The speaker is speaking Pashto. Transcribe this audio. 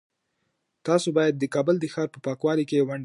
تاسو باید د کابل د ښار په پاکوالي کي ونډه واخلئ.